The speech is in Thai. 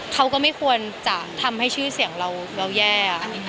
เขาก็ไม่ควรจะทำให้ชื่อเสียงเราแย่